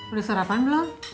udah sarapan belum